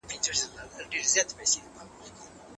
ایا تاسي د خپل کلي په کلتوري غونډو کې ګډون کوئ؟